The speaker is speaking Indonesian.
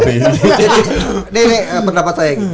nih nih pendapat saya